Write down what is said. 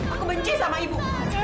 aku benci sama ibu